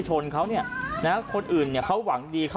ก็แค่มีเรื่องเดียวให้มันพอแค่นี้เถอะ